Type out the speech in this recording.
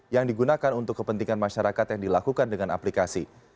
yang digunakan untuk kepentingan masyarakat yang dilakukan dengan aplikasi